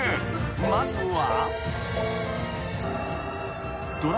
［まずは］